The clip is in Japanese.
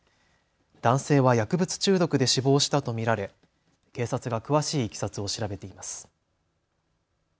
男性は薬物中毒で死亡したと見られ警察が詳しいいきさつを調べています。